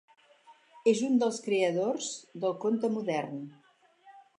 És un dels creadors del conte modern.